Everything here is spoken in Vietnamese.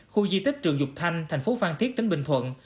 khu di tích trường dục thanh thành phố phan thiết tỉnh bình thuận